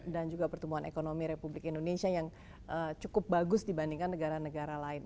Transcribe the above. dan juga pertumbuhan ekonomi republik indonesia yang cukup bagus dibandingkan negara negara lain